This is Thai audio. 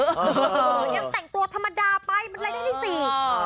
แต่งตัวธรรมดาไปมันอะไรได้ที่สี่